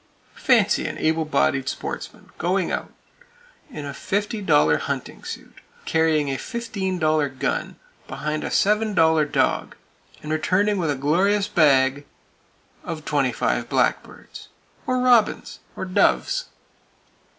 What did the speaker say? Fancy an able bodied sportsman going out in a fifty dollar hunting suit, carrying a fifteen dollar gun behind a seven dollar dog, and returning with a glorious bag of twenty five blackbirds! Or robins! Or doves!